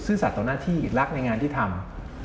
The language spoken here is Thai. สัตว์ต่อหน้าที่รักในงานที่ทำ